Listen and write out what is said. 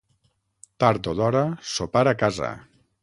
Tard o d'hora, sopar a casa.